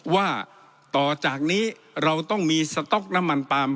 ว่าต่อจากนี้เราต้องมีสต๊อกน้ำมันปาล์ม